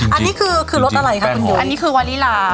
อันนี้คือก็คือรสอะไรครับอันนี้คือวานีลา